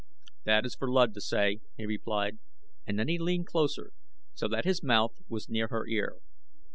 "That is for Luud to say," he replied, and then he leaned closer so that his mouth was near her ear.